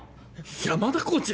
⁉山田コーチ！